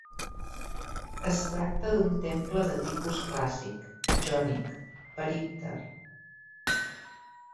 Es tracta d'un temple de tipus clàssic: jònic, perípter.